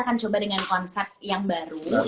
akan coba dengan konsep yang baru